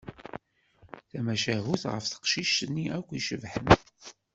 Tamacahut ɣef teqcict-nni akk icebḥen.